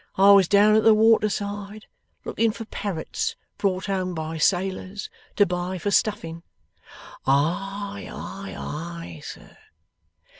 'I was down at the water side, looking for parrots brought home by sailors, to buy for stuffing.' 'Ay, ay, ay, sir!